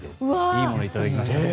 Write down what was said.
いいものいただきましたと。